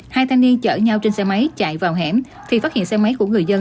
hai thanh niên chở nhau trên xe máy chạy vào hẻm thì phát hiện xe máy của người dân